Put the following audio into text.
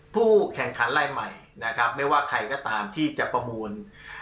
ผู้แข่งขันรายใหม่นะครับไม่ว่าใครก็ตามที่จะประมูล